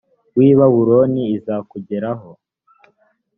w i babuloni izakugeraho